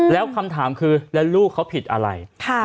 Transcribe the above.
แล้วคำถามคือแล้วลูกเขาผิดอะไร